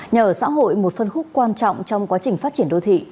nhà ở xã hội một phân khúc quan trọng trong quá trình phát triển đô thị